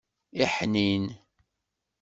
Iḥnin.